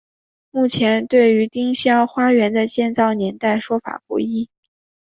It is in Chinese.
目前对于丁香花园的建造年代说法不一。